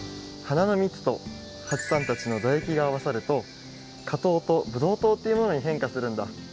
花のみつとはちさんたちのだえきがあわさるとかとうとブドウとうっていうものに変化するんだ。